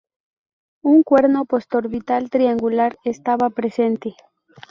Un cuerno postorbital triangular estaba presente.